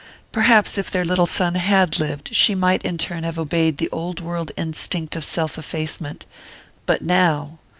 Perhaps if their little son had lived she might in turn have obeyed the world old instinct of self effacement but now!